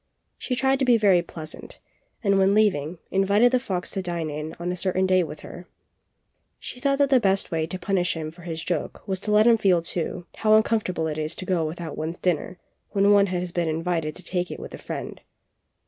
She tried to be very pleasant, and when leaving, invited the fox to dine on a certain day with her. She thought that the best way to punish him for his joke was to let him feel, too, how THE FOX AND THE STORK. 43 uncomfortable it is to go without one's dinner when one has been invited to take it with a friend.